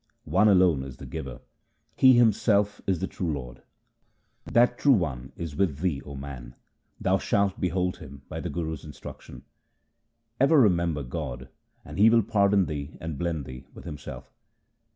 One alone is the Giver ; He Himself is the true Lord. That True One is with thee, O man ; thou shalt behold Him by the Guru's instruction. Ever remember God and He will pardon thee and blend thee with Himself.